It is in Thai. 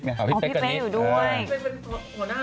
เป๊๊เป็นหัวหน้าเลยใช่ไหม